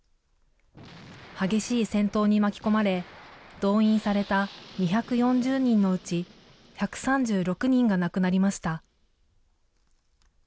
激しい戦闘に巻き込まれ、動員された２４０人のうち１３６人が亡くなりました。